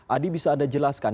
adi bisa anda jelaskan